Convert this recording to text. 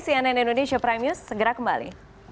cnn indonesia prime news segera kembali